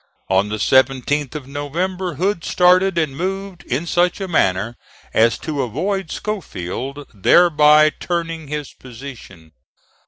On the 17th of November Hood started and moved in such a manner as to avoid Schofield, thereby turning his position.